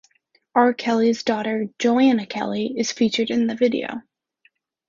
R. Kelly's daughter Joann Kelly is featured in the video.